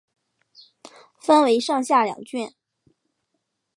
分为上下两卷。